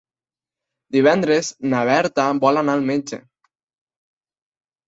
Divendres na Berta vol anar al metge.